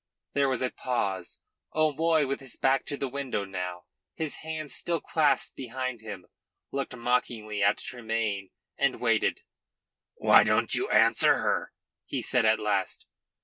There was a pause. O'Moy, with his back to the window now, his hands still clasped behind him, looked mockingly at Tremayne and waited. "Why don't you answer her?" he said at last.